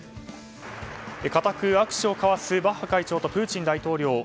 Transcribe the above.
固く握手を交わすバッハ会長とプーチン大統領。